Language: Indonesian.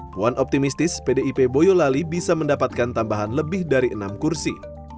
puan optimistis pdip boyolali bisa mendapatkan tambahan lebih dari enam kursi